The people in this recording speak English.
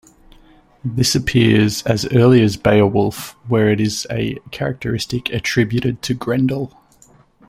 This appears as early as Beowulf where it is a characteristic attributed to Grendel.